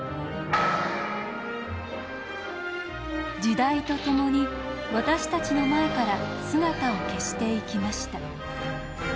時代とともに私たちの前から姿を消していきました。